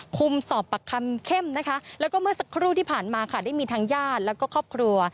สอบปากคำเข้มนะคะแล้วก็เมื่อสักครู่ที่ผ่านมาค่ะได้มีทางญาติแล้วก็ครอบครัว